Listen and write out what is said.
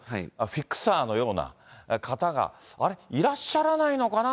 フィクサーのような方が、いらっしゃらないのかな？